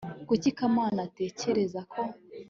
kuki kamana atekereza ko